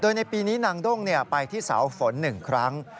โดยในปีนี้นางด้งไปที่เสาฝน๑ครั้ง